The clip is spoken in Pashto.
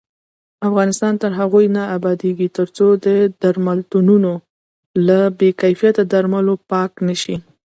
افغانستان تر هغو نه ابادیږي، ترڅو درملتونونه له بې کیفیته درملو پاک نشي.